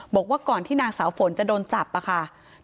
บอกว่าก่อนที่นางสาวฝนจะโดนจับค่ะ